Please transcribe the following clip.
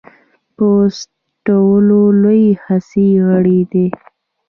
پوست ټولو لوی حسي غړی دی.